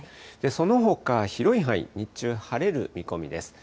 そのほか広い範囲、日中晴れる見込みです。